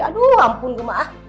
aduh ampun gue maaf